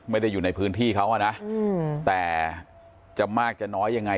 ไม่ได้อยู่ในพื้นที่เขาอ่ะนะแต่จะมากจะน้อยยังไง